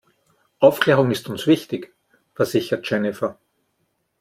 Aufklärung ist uns wichtig, versichert Jennifer.